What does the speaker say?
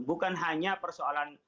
bukan hanya persoalan